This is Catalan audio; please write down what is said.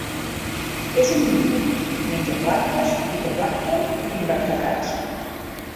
És omnívor: menja plantes, fitoplàncton i invertebrats.